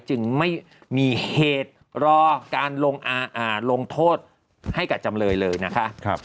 จึงไม่มีเหตุรอการลงโทษให้กับจำเลยเลยนะคะ